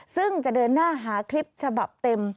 ซึ่งจะเดินหน้าหาคลิปฉบับเต็ม